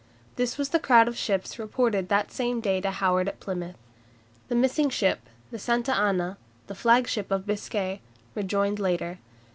This was the crowd of ships reported that same day to Howard at Plymouth. The missing ship, the "Santa Ana," the flagship of Biscay, rejoined later.